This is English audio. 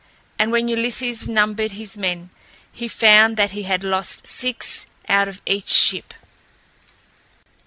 And when Ulysses numbered his men, he found that he had lost six out of each ship.